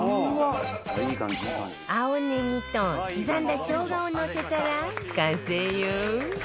青ネギと刻んだしょうがをのせたら完成よ